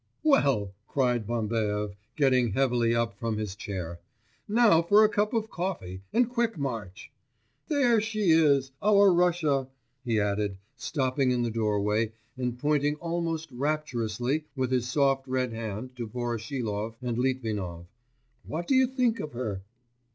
'Well,' cried Bambaev, getting heavily up from his chair, 'now for a cup of coffee, and quick march. There she is, our Russia,' he added, stopping in the doorway, and pointing almost rapturously with his soft red hand to Voroshilov and Litvinov.... 'What do you think of her?...